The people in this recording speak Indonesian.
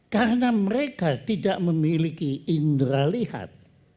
karena mereka tidak memiliki indra lihat